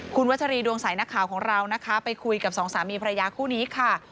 คุณวัชรีดวงใสนักข่าวของเรานะคะไปคุยกับสองสามีภรรยาคู่นี้ค่ะ